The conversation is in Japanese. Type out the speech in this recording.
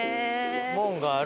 門がある。